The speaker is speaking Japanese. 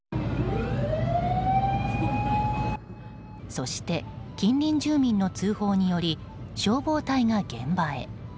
そして、近隣住民の通報により消防隊が現場へ。